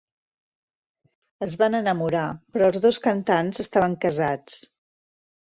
Es van enamorar, però els dos cantants estaven casats.